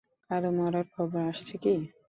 কারো মরার খবর আসছে কী?